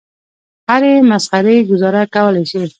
هرې مسخرې ګوزاره کولای شي.